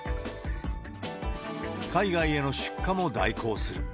海外への出荷も代行する。